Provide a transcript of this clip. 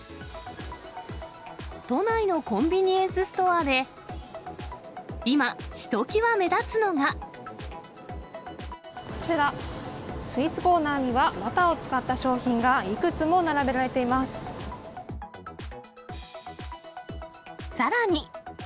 都内のコンビニエンスストアで、今、こちら、スイーツコーナーには、バターを使った商品が、いくつも並べられさらに。